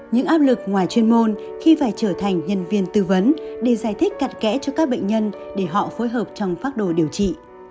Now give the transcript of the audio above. những áp lực ngoài chuyên môn khi phải trở thành nhân viên tư vấn để giải thích cặt kẽ cho các bệnh nhân để họ phối hợp trong phác đồ điều trị